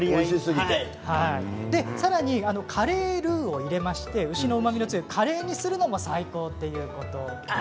さらにカレールーを入れまして牛のうまみの強いカレーにするのも最高ということです。